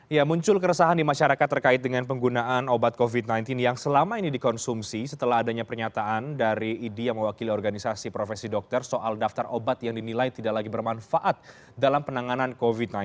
ya muncul keresahan di masyarakat terkait dengan penggunaan obat covid sembilan belas yang selama ini dikonsumsi setelah adanya pernyataan dari idi yang mewakili organisasi profesi dokter soal daftar obat yang dinilai tidak lagi bermanfaat dalam penanganan covid sembilan belas